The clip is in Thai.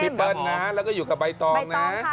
เปิ้ลนะแล้วก็อยู่กับใบตองนะ